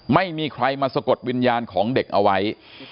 ไม่มีใครมาสะกดวิญญาณของเด็กเอาไว้